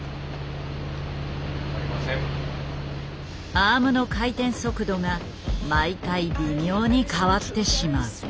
アームの回転速度が毎回微妙に変わってしまう。